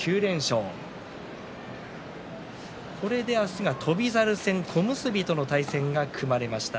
これで明日は翔猿戦小結との対戦が組まれました。